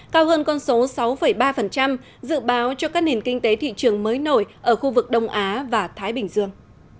cao hơn con số sáu ba dự báo cho các nền kinh tế thị trường mới nổi ở khu vực đông á và thái bình dương